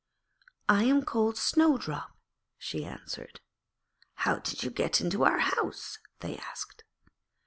'I am called Snowdrop,' she answered. 'How did you get into our house?' they asked.